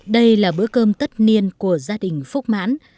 đây là bữa cơm tất niên của gia đình phúc mãn